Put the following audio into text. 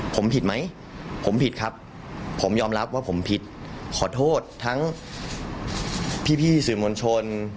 ผมผิดไหมผมผิดครับผมยอมรับว่าผมผิดขอโทษทั้งพี่สื่อมวลชน